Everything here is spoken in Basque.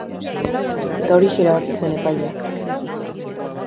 Eta horixe erabaki zuen epaileak.